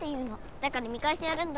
だから見かえしてやるんだ。